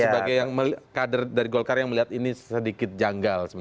sebagai yang kader dari golkar yang melihat ini sedikit janggal